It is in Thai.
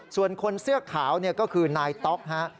ส่วนคนเสื้อขาวก็คือนายต๊อกฮะ